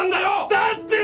だって！